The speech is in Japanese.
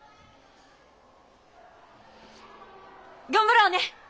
頑張ろうね！